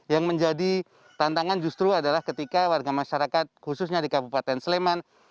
yang menjadi tantangan justru adalah ketika warga masyarakat khususnya di kabupaten sleman